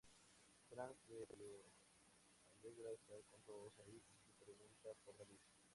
Frank les dice que le alegra estar con todos ahí y pregunta por David.